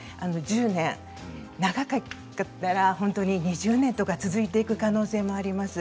１０年、長ければ２０年とか続いていく可能性もあります。